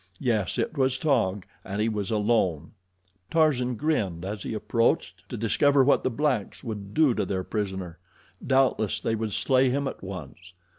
Yes, it was Taug, and he was alone. Tarzan grinned as he approached to discover what the blacks would do to their prisoner. Doubtless they would slay him at once.